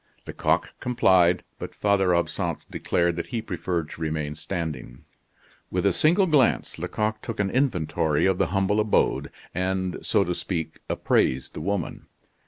Lecoq complied, but Father Absinthe declared that he preferred to remain standing. With a single glance Lecoq took an inventory of the humble abode, and, so to speak, appraised the woman.